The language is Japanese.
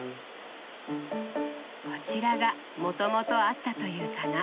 こちらがもともとあったという棚。